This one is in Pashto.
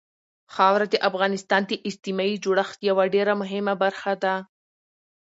خاوره د افغانستان د اجتماعي جوړښت یوه ډېره مهمه برخه ده.